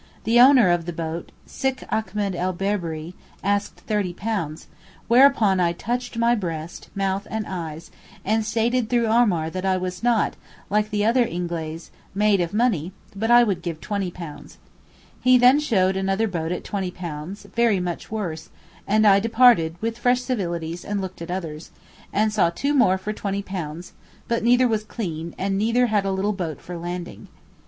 The owner of the boat, Sid Achmet el Berberi, asked £30, whereupon I touched my breast, mouth and eyes, and stated through Omar that I was not, like other Ingeleez, made of money, but would give £20. He then showed another boat at £20, very much worse, and I departed (with fresh civilities) and looked at others, and saw two more for £20; but neither was clean, and neither had a little boat for landing.